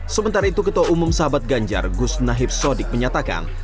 sementara itu ketua umum sahabat ganjar gus nahib sodik menyatakan